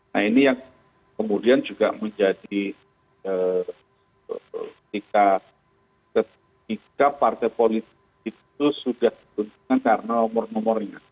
nah ini yang kemudian juga menjadi ketika partai politik itu sudah diuntungkan karena nomor nomornya